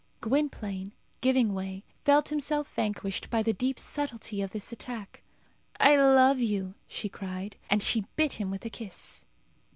Gwynplaine, giving way, felt himself vanquished by the deep subtilty of this attack. "I love you!" she cried. And she bit him with a kiss.